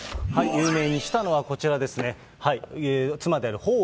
有名にしたのはこちらですね。